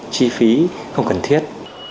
chi phí không cần thiết